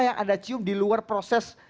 yang anda cium di luar proses